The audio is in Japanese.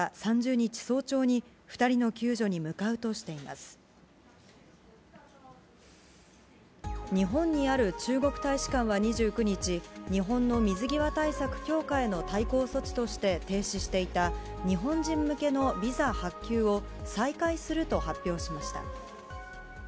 日本にある中国大使館は２９日、日本の水際対策強化への対抗措置として停止していた日本人向けのビザ発給を、再開すると発表しました。